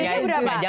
oh yang itu aja